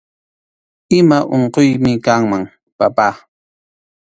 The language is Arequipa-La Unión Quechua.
Ima unquymi kanman, papá